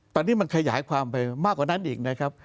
ตอนนี้มันขยายความไปมากกว่านั้น